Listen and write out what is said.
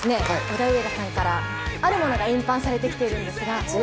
オダウエダさんからあるものが運搬されてきているんですが。